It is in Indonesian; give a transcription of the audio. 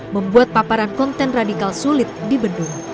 membuat paparan konten radikal sulit di bandung